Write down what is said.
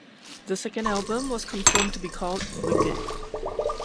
The second album was confirmed to be called "Wicked".